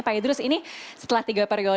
pak idrus ini setelah tiga periode